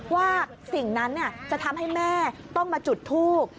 ว่าสิ่งนั้นจะทำให้แม่ต้องมาจุดทูบ